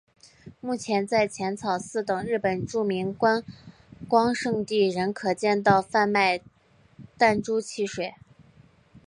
目前在浅草寺等日本著名观光胜地仍可见到贩卖弹珠汽水。